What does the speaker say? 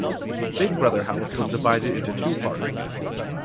Big Brother house was divided into two parts.